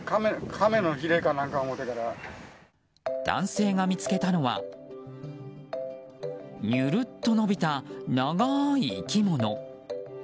男性が見つけたのはにゅるっと伸びた長い生き物。